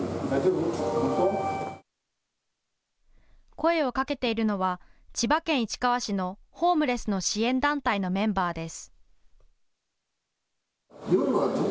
声をかけているのは千葉県市川市のホームレスの支援団体のメンバーです。